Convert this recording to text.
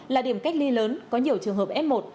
là điểm cách ly lớn có nhiều trường hợp f một